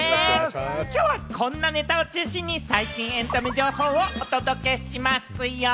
きょうはこんなネタを中心に最新エンタメ情報をお届けしますよ。